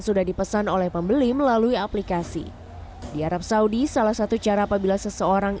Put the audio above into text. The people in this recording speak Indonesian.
sudah dipesan oleh pembeli melalui aplikasi di arab saudi salah satu cara apabila seseorang